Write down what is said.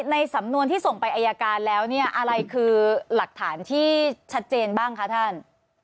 ในสำนวนที่ส่งไปอายการแล้วเนี่ยอะไรคือหลักฐานที่ชัดเจนบ้างคะท่าน